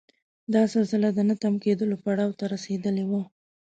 دا سلسله د نه تم کېدلو پړاو ته رسېدلې وه.